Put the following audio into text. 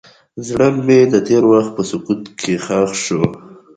زړه مې د تېر وخت په سکوت کې ښخ شو.